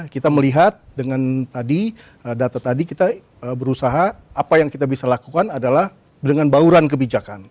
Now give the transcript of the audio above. kita melihat dengan tadi data tadi kita berusaha apa yang kita bisa lakukan adalah dengan bauran kebijakan